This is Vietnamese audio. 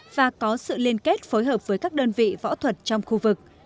và có sự liên kết phối hợp với các đơn vị võ thuật trong khu vực